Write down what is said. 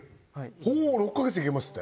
ほう６か月いけますって。